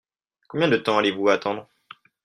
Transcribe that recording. Combien de temps allez-vous attendre ?